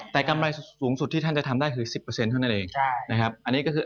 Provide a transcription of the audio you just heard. แต่กำไรสูงสุดที่ท่านจะทำได้คือ๑๐เท่านั้นเอง